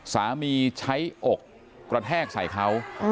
ใช้อกกระแทกใส่เขา